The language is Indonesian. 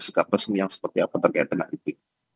sikap resmi yang seperti apa terkait dengan itu